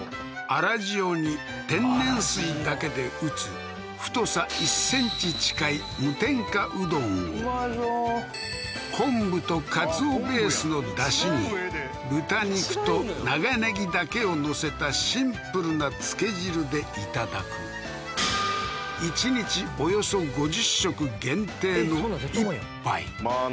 粗塩に天然水だけで打つ太さ１ｃｍ近い無添加うどんをうまそう昆布とかつおベースのダシに豚肉と長ネギだけを載せたシンプルなつけ汁でいただく１日およそ５０食限定の１杯まあ